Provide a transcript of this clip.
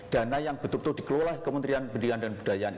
dana yang betul betul dikelola kementerian pendidikan dan budayaan